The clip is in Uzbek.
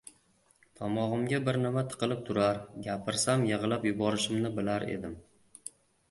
Tomog‘imga bir nima tiqilib turar, gapirsam yig‘lab yubori- shimni bilar edim.